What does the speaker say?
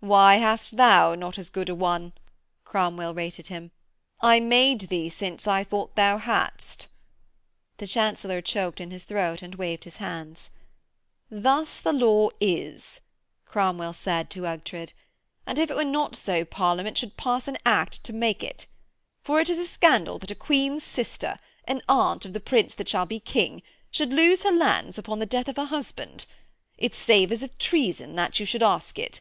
'Why hast thou not as good a one?' Cromwell rated him. 'I made thee since I thought thou hadst.' The Chancellor choked in his throat and waved his hands. 'Thus the law is,' Cromwell said to Ughtred. 'And if it were not so Parliament should pass an Act so to make it. For it is a scandal that a Queen's sister, an aunt of the Prince that shall be King, should lose her lands upon the death of her husband. It savours of treason that you should ask it.